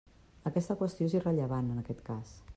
Aquesta qüestió és irrellevant en aquest cas.